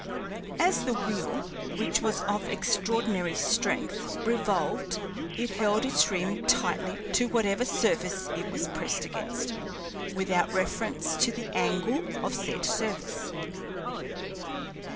As the wheel, which was of extraordinary strength, revolved, it held its rim tightly to whatever surface it was pressed against, without reference to the angle of said surface.